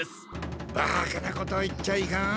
バカなことを言っちゃいかん。